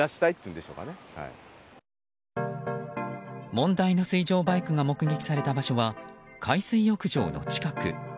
問題の水上バイクが目撃された場所は海水浴場の近く。